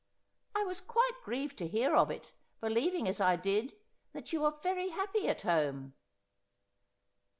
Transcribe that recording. ' I was quite grieved to hear of it, believing, as I did, that you were very happy at home.'